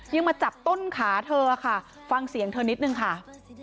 ยังมาจับต้นขาเธอค่ะฟังเสียงเธอนิดนึงค่ะ